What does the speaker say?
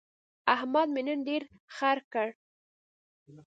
احمد مې نن ډېر خړ کړ.